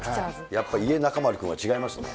やっぱイエナカ丸君は違いますね。